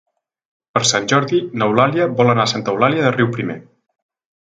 Per Sant Jordi n'Eulàlia vol anar a Santa Eulàlia de Riuprimer.